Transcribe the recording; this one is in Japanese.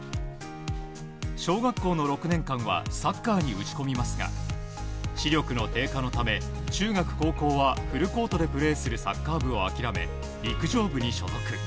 小学校の６年間はサッカーに打ち込みますが視力の低下のため、中学・高校はフルコートでプレーするサッカー部を諦め陸上部に所属。